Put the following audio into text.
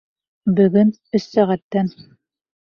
Бөгөн, өс сәғәттән.